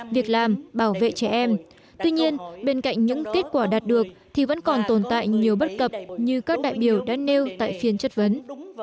việc làm bảo vệ trẻ em tuy nhiên bên cạnh những kết quả đạt được thì vẫn còn tồn tại nhiều bất cập như các đại biểu đã nêu tại phiên chất vấn